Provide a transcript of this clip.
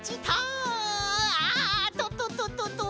ああ！ととととと。